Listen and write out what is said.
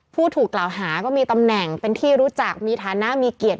ผู้ถูกกล่าวหาก็มีตำแหน่งเป็นที่รู้จักมีฐานะมีเกียรติ